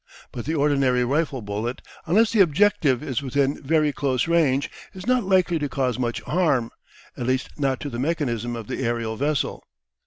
But the ordinary rifle bullet, unless the objective is within very close range, is not likely to cause much harm, at least not to the mechanism of the aerial vessel.